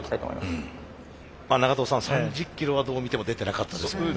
長藤さん３０キロはどう見ても出てなかったですよね。